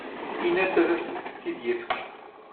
Ini-as ad asent-tt-id-yefk.